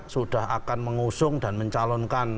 sudah akan mengusung dan mencalonkan